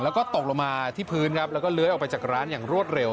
แล้วก็ตกลงมาที่พื้นครับแล้วก็เลื้อยออกไปจากร้านอย่างรวดเร็ว